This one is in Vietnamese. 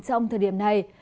trong thời điểm này